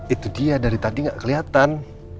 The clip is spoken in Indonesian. itu dia dari tadi nggak kelihatan